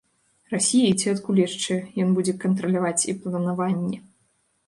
Расіі ці адкуль яшчэ, ён будзе кантраляваць і планаванне.